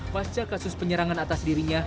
pasca kasus penyerangan atas dirinya